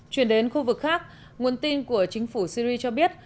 chuyển đến khu vực khác nguồn tin của chính phủ syri cho biết